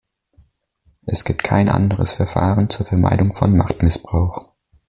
Es gibt kein anderes Verfahren zur Vermeidung von Machtmissbrauch.